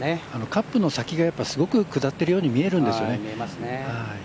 カップの先がすごく下っているように見えるんですよね。